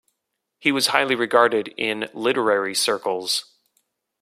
He was highly regarded in literary circles.